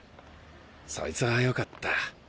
そいつはよかった。